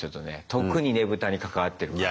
特にねぶたに関わってる方は。